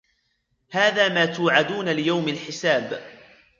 هذا ما توعدون ليوم الحساب